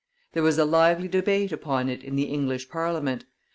There was a lively debate upon it in the English Parliament.